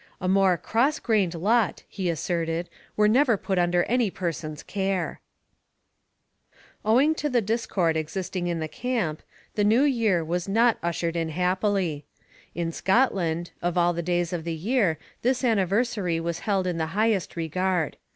'A more ... cross grained lot,' he asserted, 'were never put under any person's care.' [Illustration: The country of Lord Selkirk's Letters.] Owing to the discord existing in the camp, the New Year was not ushered in happily. In Scotland, of all the days of the year, this anniversary was held in the highest regard.